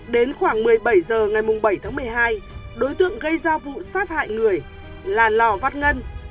đến khoảng một mươi bảy h ngày bảy tháng một mươi hai đối tượng gây ra vụ sát hại người là lò văn ngân